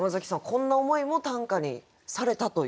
こんな思いも短歌にされたという？